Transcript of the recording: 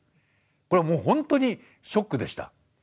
これもう本当にショックでした。